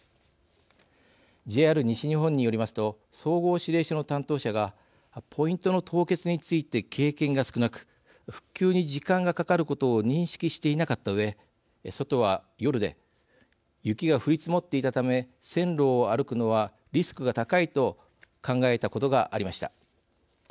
ＪＲ西日本によりますと総合指令所の担当者がポイントの凍結について経験が少なく復旧に時間がかかることを認識していなかったうえ外は夜で雪が降り積もっていたため線路を歩くのはリスクが高いと考えたことがありました。